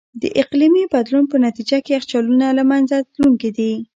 د اقلیمي بدلون په نتیجه کې یخچالونه له منځه تلونکي دي.